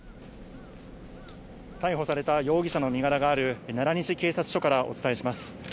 逮捕された容疑者の身柄がある、奈良西警察署からお伝えします。